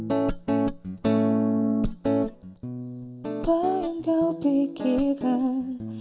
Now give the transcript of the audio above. apa yang kau pikirkan